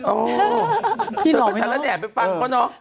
โอ้พี่รอมไหมน้อง